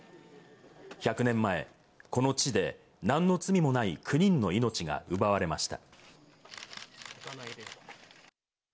１００年前、この地で何の罪もない９人の命が奪われました。